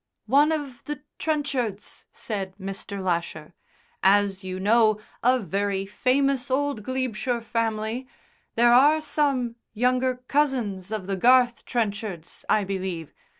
"One of the Trenchards," said Mr. Lasher. "As you know, a very famous old Glebeshire family. There are some younger cousins of the Garth Trenchards, I believe.